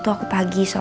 tidak ada maggot